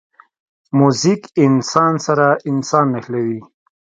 موزیک انسان سره انسان نښلوي.